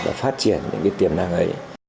và phát triển những tiềm năng ấy